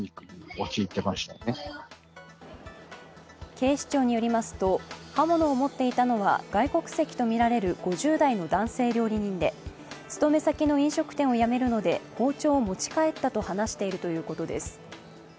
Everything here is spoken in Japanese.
警視庁によりますと、刃物を持っていたのは外国籍とみられる５０代の男性料理人で勤め先の飲食店を辞めるので包丁を持ち帰ったと話しているということです。